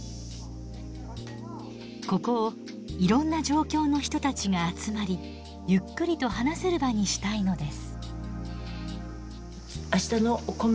ここをいろんな状況の人たちが集まりゆっくりと話せる場にしたいのです。